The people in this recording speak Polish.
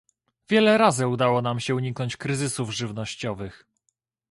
Wiele razy udało nam się uniknąć kryzysów żywnościowych